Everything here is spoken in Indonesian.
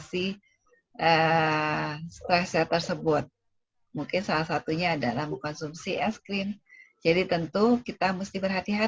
pada saat ini saya lebih mengingatkan ketika saya mulai minta untuk menggunakan es krim karena